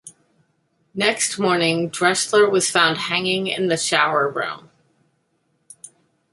Next morning Drechsler was found hanging in the shower room.